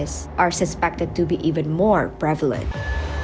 seperti yang menerangkan dennis